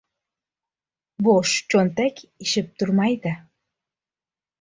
• Bo‘sh cho‘ntak ishib turmaydi.